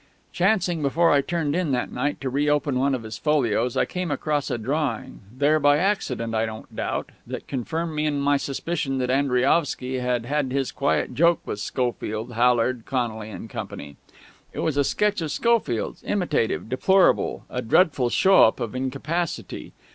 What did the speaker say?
Chancing, before I turned in that night, to reopen one of his folios, I came across a drawing, there by accident, I don't doubt, that confirmed me in my suspicion that Andriaovsky had had his quiet joke with Schofield, Hallard, Connolly and Co. It was a sketch of Schofield's, imitative, deplorable, a dreadful show up of incapacity.